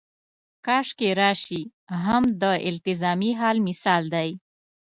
کاشکې راشي هم د التزامي حال مثال دی.